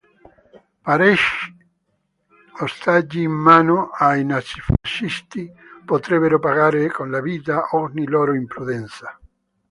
Parecchi ostaggi in mano ai nazifascisti potrebbero pagare con la vita ogni loro imprudenza.